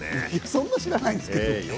そんな知らないですけど。